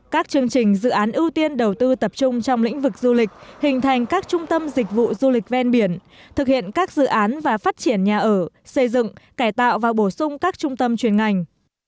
các chương trình dự án ưu tiên đầu tư tập trung trong lĩnh vực du lịch hình thành các trung tâm dịch vụ du lịch ven biển thực hiện các dự án và phát triển nhà ở xây dựng cải tạo và bổ sung các trung tâm truyền ngành